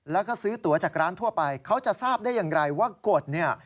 แล้วก็ซื้อตัวจากร้านทั่วไปเขาจะทราบได้อย่างไรว่ากฎเนี่ย